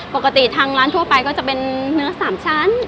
ปกติทางร้านทั่วไปก็จะเป็นเนื้อ๓ชั้น